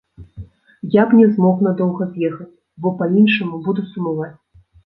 Я б не змог надоўга з'ехаць, бо па-іншаму буду сумаваць.